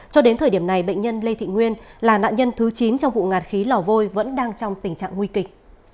cho đến thời điểm này bệnh nhân lê thị nguyên là nạn nhân thứ chín trong vụ ngạt khí lò vôi vẫn đang trong tình trạng nguy kịch